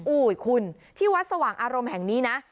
คุณที่วัดสว่างอารมณ์แห่งนี้นะ